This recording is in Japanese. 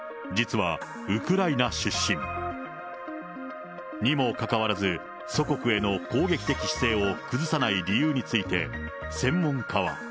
実はウクライナ出身。にもかかわらず、祖国への攻撃的姿勢を崩さない理由について、専門家は。